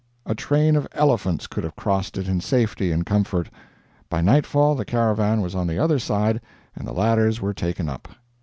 A train of elephants could have crossed it in safety and comfort. By nightfall the caravan was on the other side and the ladders were taken up.